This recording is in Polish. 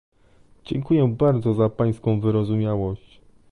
Dziękuję bardzo za pańską wyrozumiałość